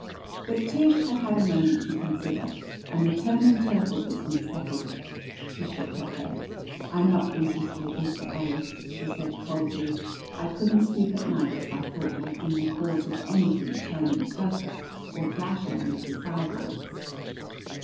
But Tish had had a moment to consider, and the turning turtle business settled it. She shook her head. "I'm not interested, Mr. Ellis," she said coldly. "I couldn't sleep at night if I thought I'd been the cause of anything turning turtle or dashing into the side lines."